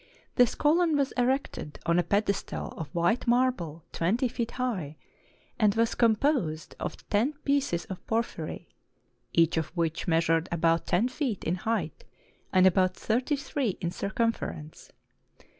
This column was erected on a pedes tal of white marble twenty feet high ; and was composed of ten pieces of porphyry, each of which measured about ten feet in height, and about thirty three in circumfer ence.